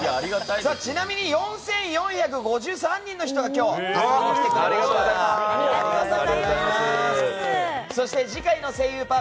ちなみに４４５３人の人が今日遊びに来てくれました。